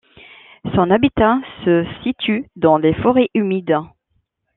Son habitat se situe dans les forêts humides.